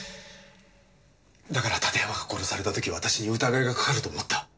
だから館山が殺された時私に疑いがかかると思った。